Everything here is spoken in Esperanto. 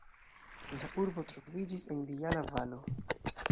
La urbo troviĝis en Dijala-valo.